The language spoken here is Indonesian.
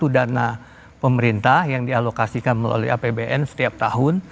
dana pemerintah yang dialokasikan melalui apbn setiap tahun